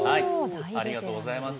ありがとうございます。